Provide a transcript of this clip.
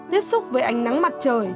tiếp xúc với ánh nắng mặt trời